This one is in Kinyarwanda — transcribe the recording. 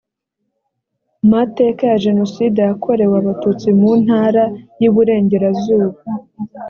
mateka ya jenoside yakorewe abatutsi mu ntara y iburengerazuba